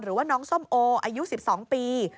หรือว่าน้องส้มโออายุ๑๒ปี